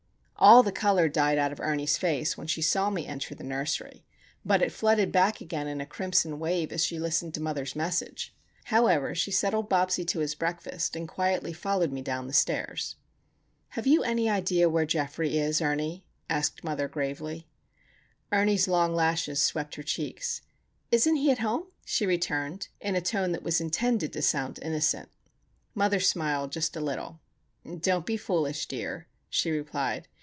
All the colour died out of Ernie's face when she saw me enter the nursery; but it flooded back again in a crimson wave as she listened to mother's message. However, she settled Bobsie to his breakfast, and quietly followed me downstairs. "Have you any idea where Geoffrey is, Ernie?" asked mother, gravely. Ernie's long lashes swept her cheeks. "Isn't he at home?" she returned, in a tone that was intended to sound innocent. Mother smiled, just a little. "Don't be foolish, dear," she replied.